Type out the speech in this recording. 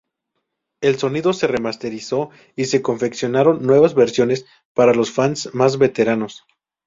El sonido se remasterizó y se confeccionaron nuevas versiones para los fans más veteranos.